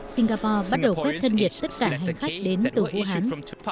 singapore bắt đầu khoát thân nhiệt tất cả hành khách đến từ vũ hán